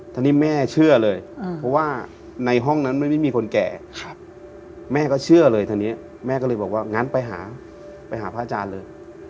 ทีนี้แม่เชื่อเลยเพราะว่าในห้องนั้นไม่มีคนแก่แม่ก็เชื่อเลยทีนี้แม่ก็เลยบอกว่างั้นไปหาไปหาพระอาจารย์เลย